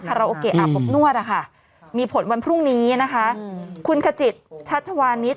ราโอเกะอาบอบนวดนะคะมีผลวันพรุ่งนี้นะคะคุณขจิตชัชวานิส